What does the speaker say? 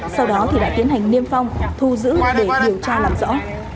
sau đó thì đã tiến hành niêm phong thu giữ để điều tra làm rõ